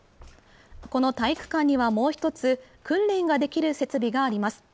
この体育館にはもう一つ、訓練ができる設備があります。